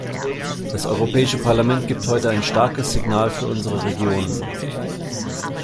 Das Europäische Parlament gibt heute ein starkes Signal für unsere Regionen.